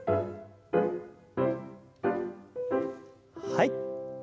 はい。